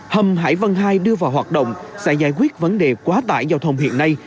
hầm đường bộ và hoạt động sẽ giải quyết vấn đề quá tải giao thông hiện nay